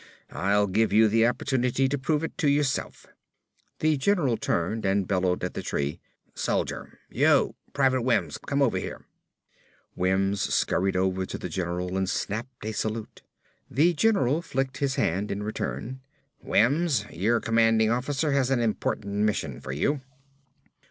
I'll give you the opportunity to prove it to yourself." The general turned and bellowed at the tree, "Soldier! You! Private Wims! Come over here!" Wims scurried over to the general and snapped a salute. The general flicked his hand in return. "Wims, your commanding officer has an important mission for you."